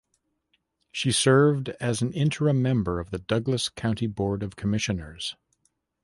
She served as an interim member of the Douglas County Board of Commissioners.